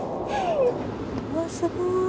わすごい。